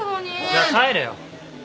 じゃ帰れよ。